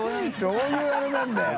どういうあれなんだよ。